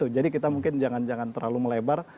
jadi kita mungkin jangan jangan terlalu melebar